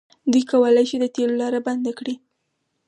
دوی کولی شي د تیلو لاره بنده کړي.